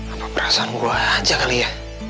apa perasaan gua aja kali ya